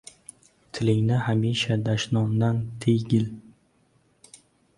— Tilingni hamisha dashnomdan tiygil.